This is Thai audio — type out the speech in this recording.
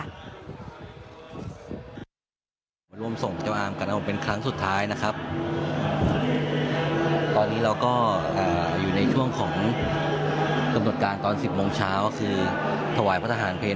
ตอนนี้ก็คือบรรยากาศในช่วงเช้าคนอาจจะยังไม่มากนะครับผม